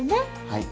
はい。